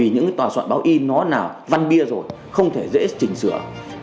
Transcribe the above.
những tòa soạn báo in nó nào văn bia rồi không thể dễ chỉnh sửa